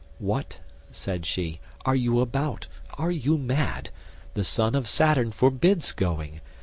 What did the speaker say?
"What," said she, "are you about? Are you mad? The son of Saturn forbids going.